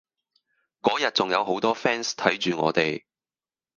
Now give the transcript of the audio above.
嗰日仲有好多 fans 睇住我哋